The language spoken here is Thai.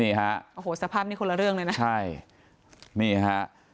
นี่ฮะโอ้โหสภาพนี้คนละเรื่องเลยนะใช่นี่ฮะ